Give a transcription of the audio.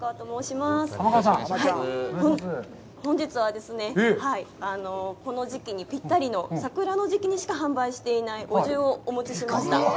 本日はですね、この時期にぴったりの桜の時期にしか販売していないお重をお持ちしました。